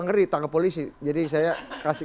ngeri tangkap polisi jadi saya kasih